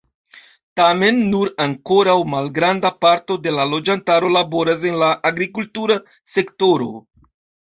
Tamen nur ankoraŭ malgranda parto de la loĝantaro laboras en la agrikultura sektoro.